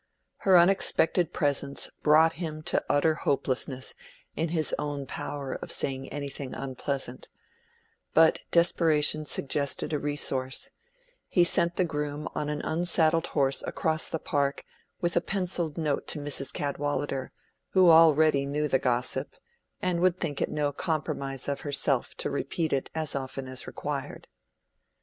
Her unexpected presence brought him to utter hopelessness in his own power of saying anything unpleasant; but desperation suggested a resource; he sent the groom on an unsaddled horse across the park with a pencilled note to Mrs. Cadwallader, who already knew the gossip, and would think it no compromise of herself to repeat it as often as required.